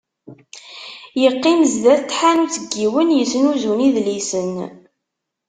Yeqqim sdat n tḥanut n yiwen yesnuzun idlisen.